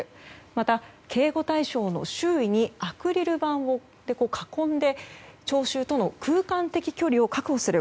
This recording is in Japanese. また、警護対象の周囲をアクリル板で囲んで聴衆との空間的距離を確保する。